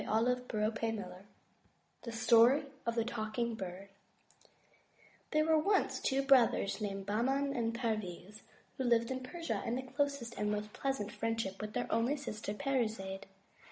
56 THE TREASURE CHEST THE STORY OF THE TALKING BIRD The Arabian Nights There were once two brothers named Bah'man and Per'viz, who lived in Persia in the closest and most pleasant friendship with their only sister Par'i zade.